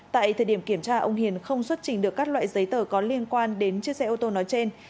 tại thời điểm kiểm tra ông hiền không xuất trình được các loại giấy tờ có liên quan đến chiếc xe ô tô nói trên